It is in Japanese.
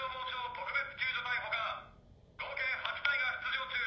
特別救助隊他合計８隊が出場中。